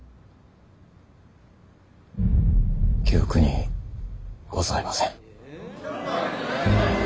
記憶にございません。